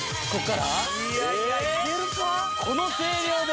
この声量で？